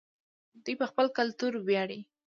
دوی په خپل کلتور ویاړي.